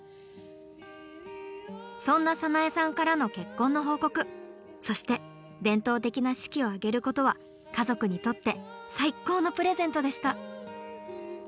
そんな早苗さんからの結婚の報告そして伝統的な式を挙げることは家族にとって最高のプレゼントでした。